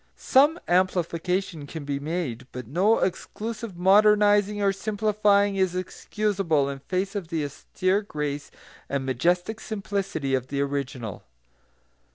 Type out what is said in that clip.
Some amplification can be made, but no excessive modernising or simplifying is excusable in face of the austere grace and majestic simplicity of the original.